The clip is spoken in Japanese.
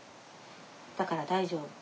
だから大丈夫。